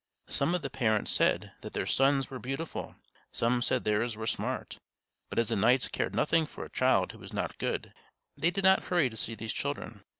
Some of the parents said that their sons were beautiful; some said theirs were smart; but as the knights cared nothing for a child who was not good, they did not hurry to see these children.